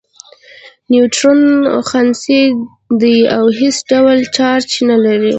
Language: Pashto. نیوټرون خنثی دی او هیڅ ډول چارچ نلري.